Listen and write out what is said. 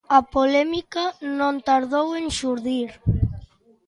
A polémica non tardou en xurdir.